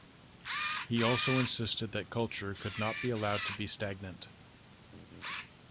He also insisted that culture could not be allowed to be stagnant.